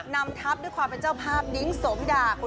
นำทัพด้วยความเป็นเจ้าภาพนิ้งสมดา